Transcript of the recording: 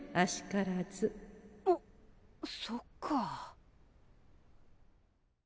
あっそっか。